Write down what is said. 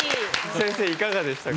先生いかがでしたか？